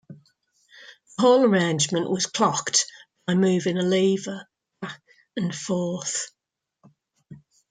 The whole arrangement was 'clocked' by moving a lever back and forth.